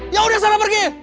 ya udah sana pergi